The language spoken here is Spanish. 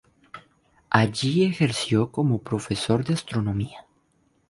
Allí ejerció como profesor de astronomía.